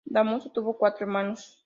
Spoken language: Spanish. Dámaso tuvo cuatro hermanos.